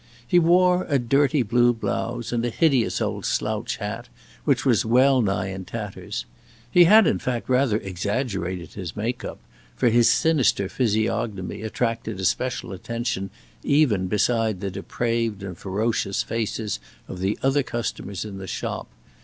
He wore a dirty blue blouse and a hideous old slouch hat, which was well nigh in tatters. He had, in fact, rather exaggerated his make up, for his sinister physiognomy attracted especial attention even beside the depraved and ferocious faces of the other customers in the shop.